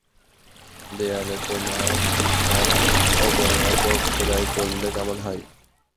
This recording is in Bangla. দেয়ালে তোমার অবয়ব খোদাই করলে কেমন হয়?